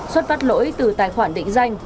xuất phát lỗi từ tài khoản định danh